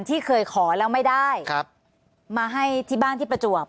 ที่เคยขอแล้วไม่ได้มาให้ที่บ้านที่ประจวบ